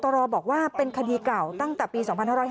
ทศบัตรวรรดิบวกว่าเป็นคดีเก่าตั้งแต่ปี๒๕๕๕